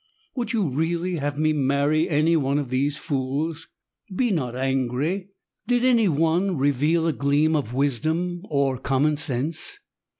Would you really have me marry any one of these fools? Be not angry. Did any one reveal a gleam of wisdom, or common sense?